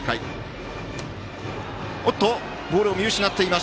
ボールを見失っています。